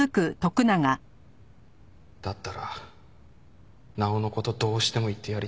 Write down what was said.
だったらなおの事どうしても言ってやりたかった。